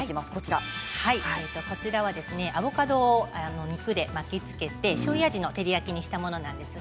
アボカドに肉を巻きつけてしょうゆ味の照り焼きにしたものです。